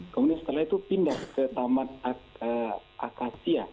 kemudian setelah itu pindah ke taman akasia